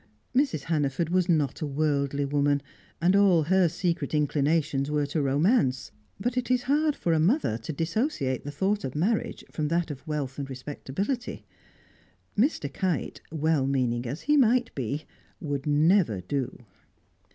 Mrs. Hannaford was not a worldly woman, and all her secret inclinations were to romance, but it is hard for a mother to dissociate the thought of marriage from that of wealth and respectability. Mr. Kite, well meaning as he might be, would never do.